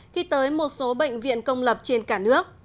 khi tới một số bệnh viện công lập trên cả nước